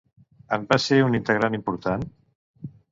En va ser un integrant important?